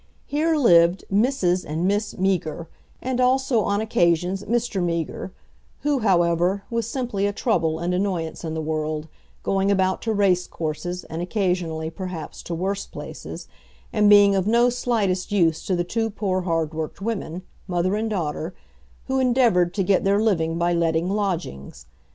Here lived Mrs. and Miss Meager, and also on occasions Mr. Meager, who, however, was simply a trouble and annoyance in the world, going about to race courses, and occasionally, perhaps, to worse places, and being of no slightest use to the two poor hard worked women, mother and daughter, who endeavoured to get their living by letting lodgings.